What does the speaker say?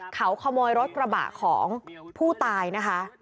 เขาขโมยรถกระบะของผู้ตายนะคะ